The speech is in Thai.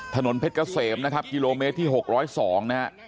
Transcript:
ถนนเพชรเกษมนะครับกิโลเมตรที่๖๐๒นะฮะ